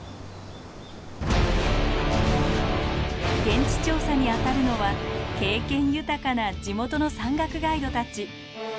現地調査に当たるのは経験豊かな地元の山岳ガイドたち。